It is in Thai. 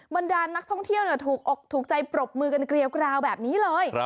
บรรดานนักท่องเที่ยวถูกอกถูกใจปรบมือกันเกลียวกราวแบบนี้เลย